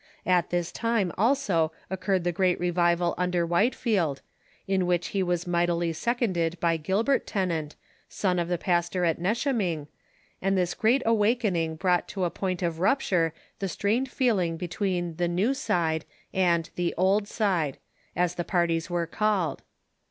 At this time also occurred the great revival under Whitefield, in which he was mightily seconded by Gilbert Tennent, son of the pastor at Neshaming, and this Great Awakening brought to a point of rupture the strained feeling between the " New Side " and the " Old Side," as the parties were called.